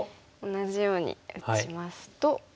同じように打ちますと。